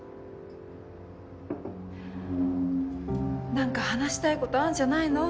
何か話したいことあんじゃないの？